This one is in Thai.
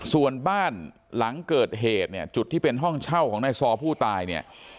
ส่วนบ้านหลังเกิดเหตุเนี่ยจุดที่เป็นห้องเช่าของนายซอผู้ตายเนี่ย